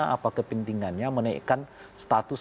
apa kepentingannya menaikkan status